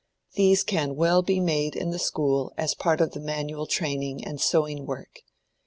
These can well be made in the school as a part of the manual training and sewing work.